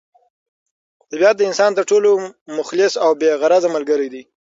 طبیعت د انسان تر ټولو مخلص او بې غرضه ملګری دی.